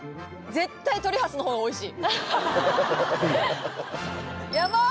絶対トリハスのほうが美味しい